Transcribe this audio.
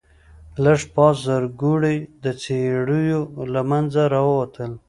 لږ پاس زرکوړي د څېړيو له منځه راووتل.